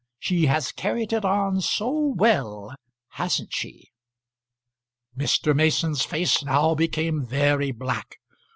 She has carried it on so well; hasn't she?" Mr. Mason's face now became very black.